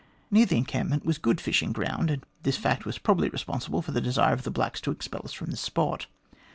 Near the encampment was good fishing ground, and this fact was probably responsible for the desire of the blacks to expel us from the spot.